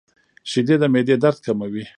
• شیدې د معدې درد کموي.